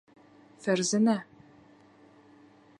Фәрзәнә!..